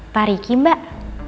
pak riki mbak